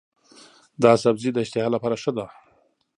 دا سبزی د اشتها لپاره ښه دی.